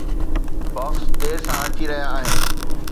Box دير سان اچي رهيا آهن.